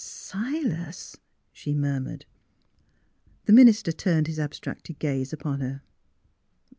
" Silas! " she murmured. The minister turned his abstracted gaze upon her.